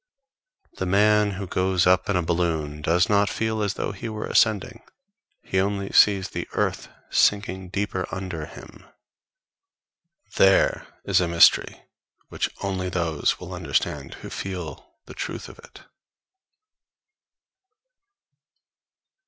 The man who goes up in a balloon does not feel as though he were ascending; he only sees the earth sinking deeper under him. There is a mystery which only those will understand who feel the truth of it.